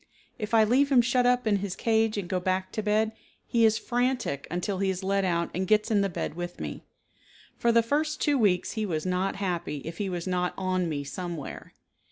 If I leave him shut up in his cage and go back to bed, he is frantic until he is let out and gets in the bed with me. For the first two weeks he was not happy if he was not on me somewhere.